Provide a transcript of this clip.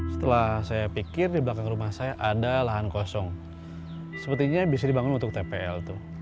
setelah saya pikir di belakang rumah saya ada lahan kosong sepertinya bisa dibangun untuk tpl tuh